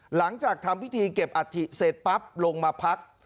หลังจากทำพิธีเก็บอัฐิเสร็จปั๊บลงมาพัก